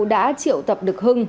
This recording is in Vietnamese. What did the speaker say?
đã triệu tập được hưng